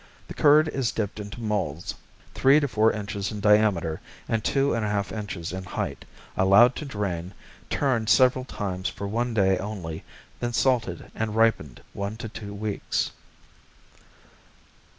The curd is dipped into molds three to four inches in diameter and two and a half inches in height, allowed to drain, turned several times for one day only, then salted and ripened one to two weeks.